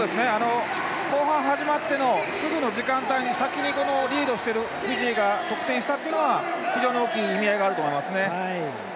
後半始まってすぐの時間帯に先に、リードしているフィジーが得点したっていうのは非常に大きい意味合いがあると思います。